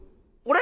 「俺？